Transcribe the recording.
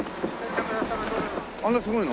あんなすごいの？